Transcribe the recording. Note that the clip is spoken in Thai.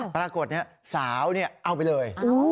ปรากฏสาวเอาไปเลย